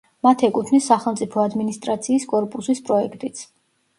მათ ეკუთვნით სახელმწიფო ადმინისტრაციის კორპუსის პროექტიც.